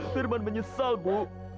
firman menyesal bu